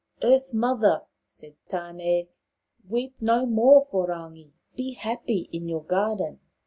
" Earth mother/ ' said Tane, " weep no more for Rangi. Be happy in your garden."